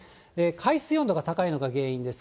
海水温度が高いのが原因です。